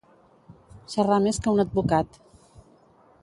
Xerrar més que un advocat.